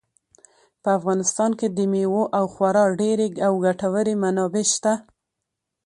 په افغانستان کې د مېوو خورا ډېرې او ګټورې منابع شته.